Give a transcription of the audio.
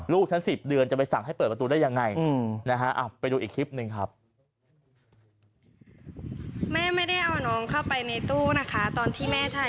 ลูกฉันสิบเดือนจะไปสั่งให้เปิดประตูได้ยังไง